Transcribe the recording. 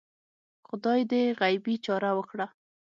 خدای دې غیبي چاره وکړه